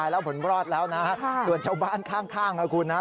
แล้วผลรอดแล้วนะฮะส่วนชาวบ้านข้างนะคุณนะ